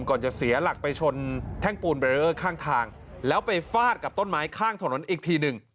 ก่อนจะเสียหลักไปชนแท่งปูนเบรเออร์ข้างทางแล้วไปฟาดกับต้นไม้ข้างถนนอีกทีหนึ่ง